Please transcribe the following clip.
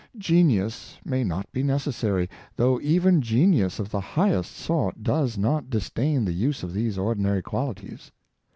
Genius may not be necessary, though even genius of the hisfhest sort does not disdain the use of these ordi nary quaHties.